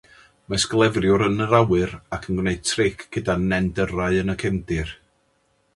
Mae sglefriwr yn yr awyr ac yn gwneud tric gyda nendyrau yn y cefndir.